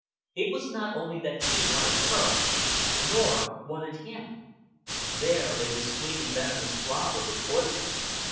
It was not only that he wanted her, Norah wanted him. There lay the sweetly venomous throb of the poison.